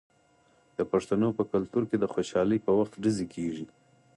د پښتنو په کلتور کې د خوشحالۍ په وخت ډزې کیږي.